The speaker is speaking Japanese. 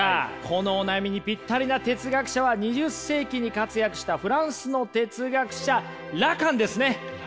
このお悩みにぴったりな哲学者は２０世紀に活躍したフランスの哲学者ラカンですね。